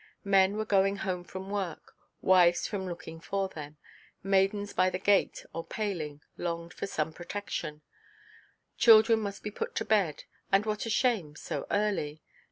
Men were going home from work; wives were looking for them; maidens by the gate or paling longed for some protection; children must be put to bed, and what a shame, so early!